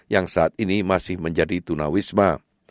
yang saat ini masih menjadi tunawisma